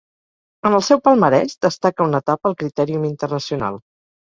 En el seu palmarès destaca una etapa al Critèrium Internacional.